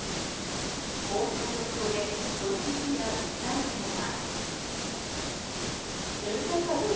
こうした状況で小池知事が訴えたのは。